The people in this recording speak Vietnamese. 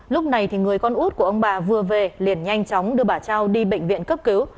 lúc này người con út của ông bà vừa về liền nhanh chóng đưa bà trao đi bệnh viện cấp cứu